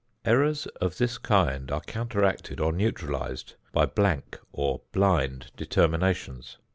Errors of this kind are counteracted or neutralised by "blank" or "blind" determinations.